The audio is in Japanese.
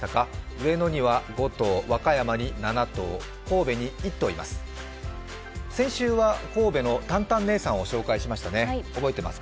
上野には５頭、和歌山に７頭、神戸に１頭います。